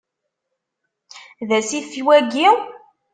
D asif wayyi?